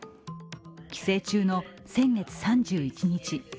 帰省中の先月３１日